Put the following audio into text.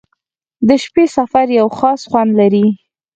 • د شپې سفر یو خاص خوند لري.